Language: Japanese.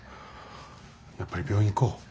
やっぱり病院行こう。